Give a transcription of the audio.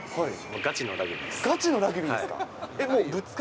がちのラグビーですか。